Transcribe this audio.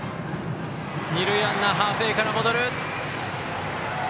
二塁ランナーハーフウエーから戻る。